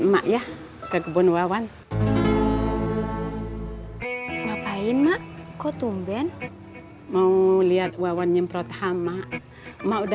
mak ya ke kebun wawan ngapain mak kok tumben mau lihat wawan nyemprot hama mau di